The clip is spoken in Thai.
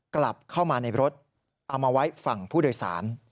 กลับเข้ามาในรถเอามาไว้ฝั่งผู้โดยสาร